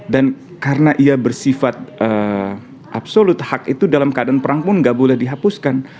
dan karena ia bersifat absolut hak itu dalam keadaan perang pun gak boleh dihapuskan